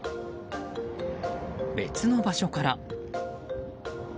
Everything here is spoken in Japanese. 別の場所から。